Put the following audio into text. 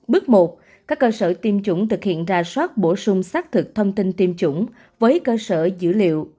bước một các cơ sở tiêm chủng thực hiện ra soát bổ sung xác thực thông tin tiêm chủng với cơ sở dữ liệu